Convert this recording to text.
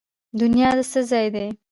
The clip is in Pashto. دنیا د څه ځای دی؟